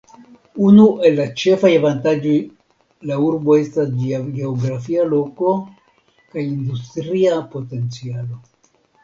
Unu el la ĉefaj avantaĝoj la urbo estas ĝia geografia Loko kaj industria potencialo.